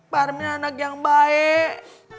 parmin anak yang baik